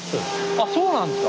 あっそうなんですか。